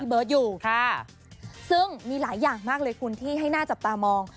เบิร์ตอยู่ค่ะซึ่งมีหลายอย่างมากเลยคุณที่ให้น่าจับตามอง